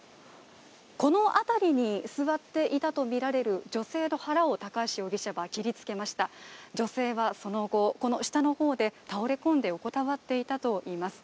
このあたりに座っていたとみられる女性の腹を高橋容疑者が切りつけました女性はその後、この下の方で倒れ込んで横たわっていたといいます。